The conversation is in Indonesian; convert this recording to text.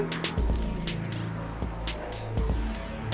ketemu sama bella